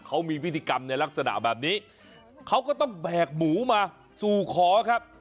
เขามีพิธีกรรมในลักษณะแบบนี้เขาก็ต้องแบกหมูมาสู่ขอครับ